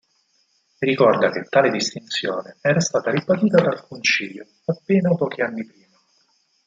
E ricorda che tale distinzione era stata ribadita dal Concilio, appena pochi anni prima.